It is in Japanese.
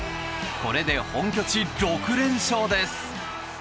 これで本拠地６連勝です。